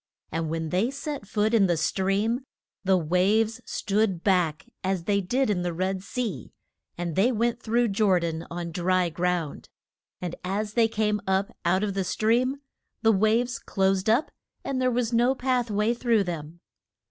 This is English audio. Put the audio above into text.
And when they set foot in the stream the waves stood back as they did in the Red Sea, and they went through Jor dan on dry ground. And as they came up out of the stream the waves closed up and there was no path way through them.